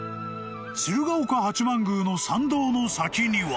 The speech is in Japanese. ［鶴岡八幡宮の参道の先には］